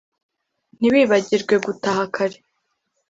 nti wibagirwe gutaha kare .